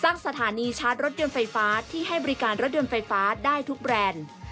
สถานีชาร์จรถยนต์ไฟฟ้าที่ให้บริการรถยนต์ไฟฟ้าได้ทุกแบรนด์